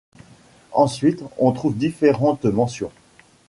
Ensuite, on trouve différentes mentions.